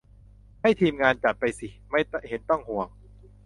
ให้ ทีมงาน จัดไปสิ ไม่เห็นต้องห่วง